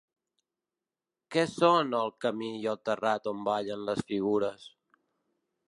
Què són el camí i el terrat on ballen les figures?